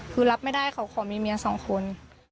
คือรับไม่ได้เขาขอมีเมียสองคน